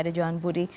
ada johan budi